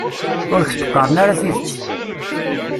Ur k-d-qqaren ara tidet.